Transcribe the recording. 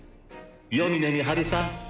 夜峰美晴さん